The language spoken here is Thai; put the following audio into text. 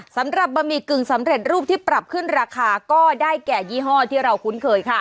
สำหรับบะหมี่กึ่งสำเร็จรูปที่ปรับขึ้นราคาก็ได้แก่ยี่ห้อที่เราคุ้นเคยค่ะ